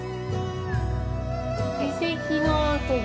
遺跡の跡が。